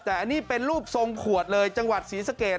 แต่อันนี้เป็นรูปทรงขวดเลยจังหวัดศรีสะเกด